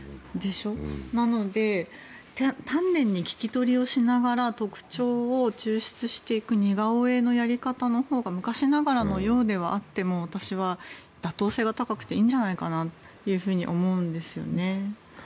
なので丹念に聞き取りをしながら特徴を抽出していく似顔絵のやり方のほうが昔ながらのようではあっても私は妥当性が高くていいんじゃないかなと思うんですよね。